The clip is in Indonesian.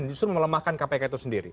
justru melemahkan kpk itu sendiri